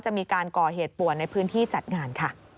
จะมีการก่อเหตุป่วนในพื้นที่จัดงานค่ะ